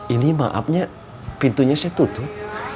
ini maafnya pintunya saya tutup